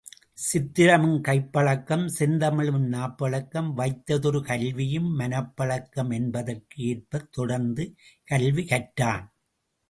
சித்திரமும் கைப்பழக்கம் செந்தமிழும் நாப்பழக்கம் வைத்ததொரு கல்வியும் மனப்பழக்கம் என்பதற்கு ஏற்பத் தொடர்ந்து கல்வி கற்றான்.